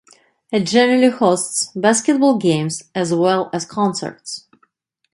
It generally hosts basketball games as well as concerts.